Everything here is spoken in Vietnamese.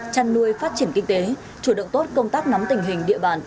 chăn nuôi phát triển kinh tế chủ động tốt công tác nắm tình hình địa bàn